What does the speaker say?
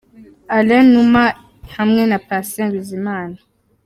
Alain Numa hamwe na Patient Bizimana.